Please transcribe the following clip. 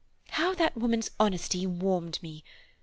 How that woman's honesty warmed me!